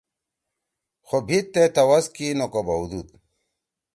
خو بھیِد تے توَس نہ کو بھؤدُود۔